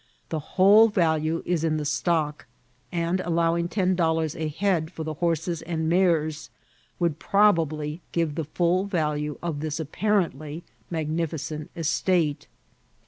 The whole value is in the stock ; and allowing ten dollars a head for the hcnrses and mares would probably give the full value of this apparently magnificent estate.